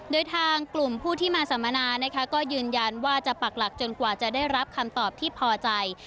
ด้วยทางกลุ่มผู้ที่มาสัมมนาก็ยืนยันว่าจะปรักลักษณ์จนกว่าจะรับคำตอบที่พอใจ